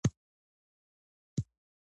اقتصاد د شرکتونو کړنې څیړي.